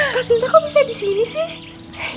kasinta kok bisa disini sih